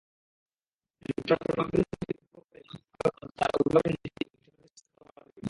যুক্তরাষ্ট্রে ট্রাম্পবিরোধী বিক্ষোভকারীদের মূল ক্ষোভ এখন তাঁর অভিবাসন নীতি এবং শ্বেতাঙ্গ শ্রেষ্ঠত্ববাদের বিরুদ্ধে।